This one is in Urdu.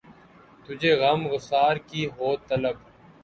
تجھے غم گسار کی ہو طلب